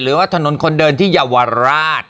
หรือว่าถนนคนเดินที่เยาวราช